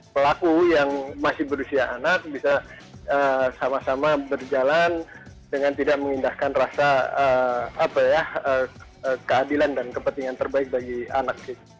pelaku yang masih berusia anak bisa sama sama berjalan dengan tidak mengindahkan rasa keadilan dan kepentingan terbaik bagi anak